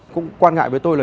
cũng quan ngại với tôi là